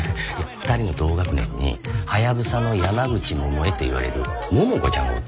２人の同学年にハヤブサの山口百恵っていわれる桃子ちゃんがおったんよ。